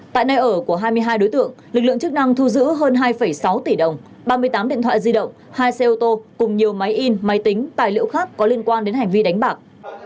tại nơi ở của hai mươi hai đối tượng lực lượng chức năng thu giữ hơn hai sáu tỷ đồng ba mươi tám điện thoại di động hai xe ô tô cùng nhiều máy in máy tính tài liệu khác có liên quan đến hành vi đánh bạc